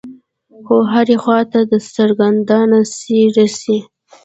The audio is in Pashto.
خو هرې خوا ته سرګردانه څي رڅي.